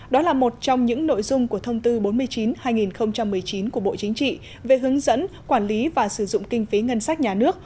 đó là một trong những nội dung của thông tư bốn mươi chín hai nghìn một mươi chín của bộ chính trị về hướng dẫn quản lý và sử dụng kinh phí ngân sách nhà nước